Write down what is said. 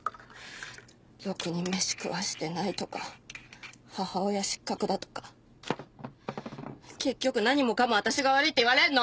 ろくに飯食わしてないとか母親失格だとか結局何もかも私が悪いって言われんの！